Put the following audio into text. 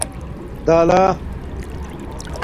دَلہ